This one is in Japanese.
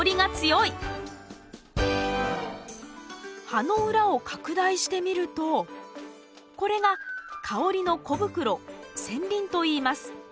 葉の裏を拡大してみるとこれが香りの小袋腺鱗といいます。